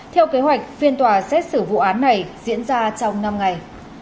theo kế hoạch phiên tòa xét xử vụ án này diễn ra trong năm ngày